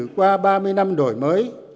qua ba mươi năm đổi mới